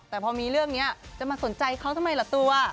แต่พอมีเรื่องนี้จะมาสนใจเขาทำไมล่ะตัว